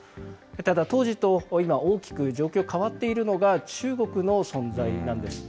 ただ、当時と今、大きく状況変わっているのが、中国の存在なんです。